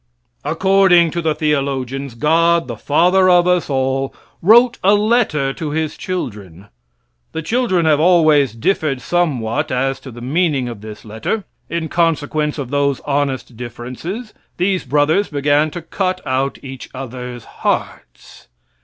According to the theologians, God, the father of us all wrote a letter to His children. The children have always differed somewhat as to the meaning of this letter. In consequence of these honest differences, these brothers began to cut out each other's hearts.